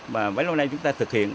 mà mấy lâu nay chúng ta thực hiện